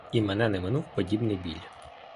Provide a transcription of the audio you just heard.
І мене не минув подібний біль.